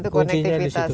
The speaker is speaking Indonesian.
kuncinya di situ